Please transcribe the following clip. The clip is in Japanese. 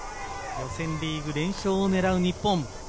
予選リーグ連勝を狙う日本。